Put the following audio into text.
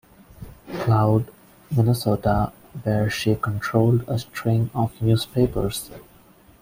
Cloud, Minnesota, where she controlled a string of newspapers.